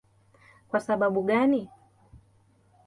Kwa sababu gani?